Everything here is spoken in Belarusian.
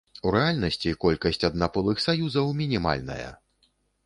У рэальнасці колькасць аднаполых саюзаў мінімальная.